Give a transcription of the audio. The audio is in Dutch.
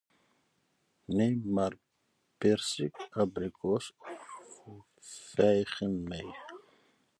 Neem maar perzik, abrikoos of vijgen mee.